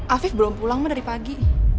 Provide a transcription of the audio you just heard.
afif belum pulang mah dari pagi